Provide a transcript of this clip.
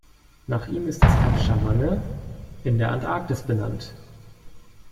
Nach ihm ist das Kap Chavanne in der Antarktis benannt.